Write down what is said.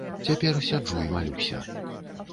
Цяпер сяджу і малюся.